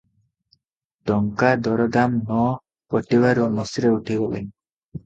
ଟଙ୍କା ଦରଦାମ ନ ପଟିବାରୁ ମିଶ୍ରେ ଉଠିଗଲେ ।